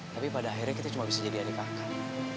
tapi pada akhirnya kita cuma bisa jadi adik kakak